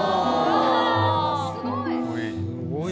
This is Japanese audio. すごい。